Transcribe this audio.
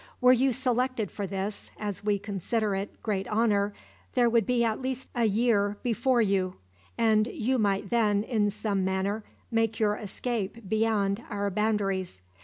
Were you selected for this, as we consider it, great honor, there would be at least a year before you; and you might then, in some manner, make your escape beyond our boundaries.